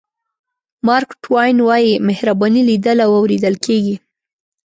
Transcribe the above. مارک ټواین وایي مهرباني لیدل او اورېدل کېږي.